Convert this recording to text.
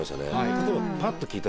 例えばぱっと聞いた。